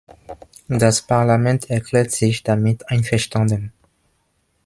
Das Parlament erklärt sich damit einverstanden.